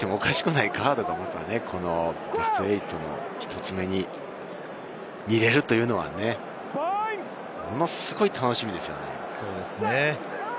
決勝戦と言ってもおかしくないカードがね、ベスト８の１つ目に見られるというのは、ものすごい楽しみですよね。